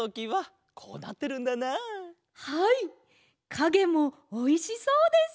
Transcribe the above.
かげもおいしそうです！